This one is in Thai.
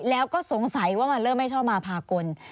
แล้วก็สงสัยว่ามันเริ่มไม่ชอบมาพากล